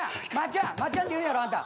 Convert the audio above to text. まっちゃんっていうんやろ？あんた。